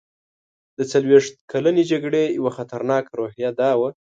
د څلوېښت کلنې جګړې یوه خطرناکه روحیه دا وه.